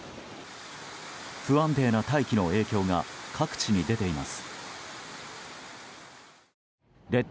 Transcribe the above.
不安定な大気の影響が各地に出ています。